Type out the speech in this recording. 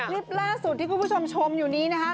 คลิปล่าสุดที่คุณผู้ชมชมอยู่นี้นะคะ